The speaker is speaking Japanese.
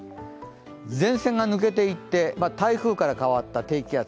前線が抜けていって台風から変わった低気圧。